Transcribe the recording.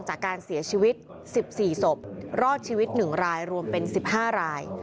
จากการเสียชีวิต๑๔ศพรอดชีวิต๑รายรวมเป็น๑๕ราย